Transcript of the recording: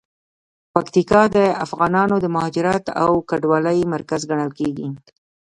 پکتیکا د افغانانو د مهاجرت او کډوالۍ مرکز ګڼل کیږي.